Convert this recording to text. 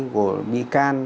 của bị can